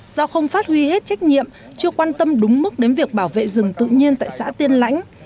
do không phát huy hết trách nhiệm chưa quan tâm đúng mức đến việc bảo vệ rừng tự nhiên tại xã tiên lãnh